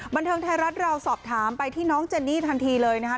บันเทิงไทยรัฐเราสอบถามไปที่น้องเจนนี่ทันทีเลยนะคะ